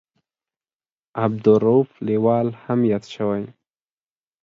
عبدالرووف لیوال هم یاد شوی.